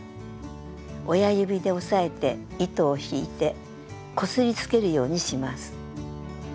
親指で押さえて糸を引いてこすりつけるようにします。